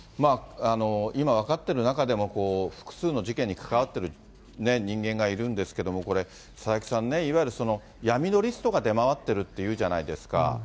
今分かっている中でも、複数の事件に関わってる人間がいるんですけども、これ、佐々木さんね、いわゆるその闇のリストが出回ってるっていうじゃないですか。